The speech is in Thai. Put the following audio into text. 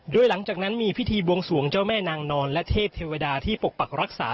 โดยหลังจากนั้นมีพิธีบวงสวงเจ้าแม่นางนอนและเทพเทวดาที่ปกปักรักษา